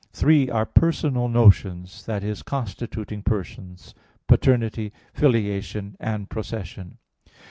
Three are personal notions i.e. constituting persons, "paternity," "filiation," and "procession."